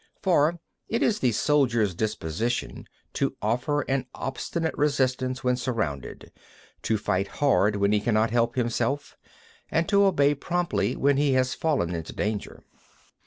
51. For it is the soldier's disposition to offer an obstinate resistance when surrounded, to fight hard when he cannot help himself, and to obey promptly when he has fallen into danger.